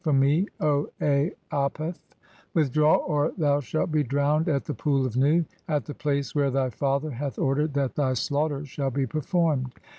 from [me], O Aaapef, "withdraw, or thou shalt be drowned at the Pool of Nu, at "the place where thy father (3) hath ordered that thy slaughter "shall be performed.